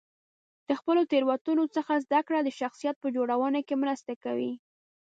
د خپلو تېروتنو څخه زده کړه د شخصیت په جوړونه کې مرسته کوي.